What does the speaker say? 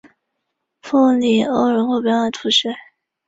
布尼欧人口变化图示